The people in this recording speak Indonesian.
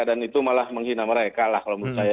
dan itu malah menghina mereka lah kalau menurut saya